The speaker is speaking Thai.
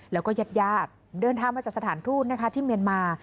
แล้วก็ยัดเดินทางมาจากสถานทูตที่เมียนมา